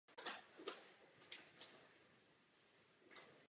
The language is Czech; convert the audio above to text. Je nezměrná.